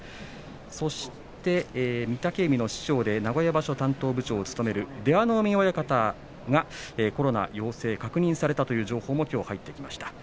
そして御嶽海の師匠で名古屋場所担当部長を務める出羽海親方がコロナ陽性を確認されたという情報も入ってきました。